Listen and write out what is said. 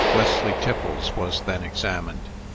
Wesley Tiffles was then examined.